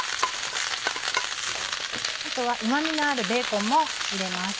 あとはうま味のあるベーコンも入れます。